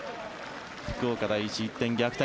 福岡第一、１点逆転。